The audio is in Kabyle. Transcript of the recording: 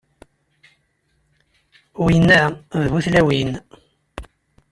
Winna d bu tlawin.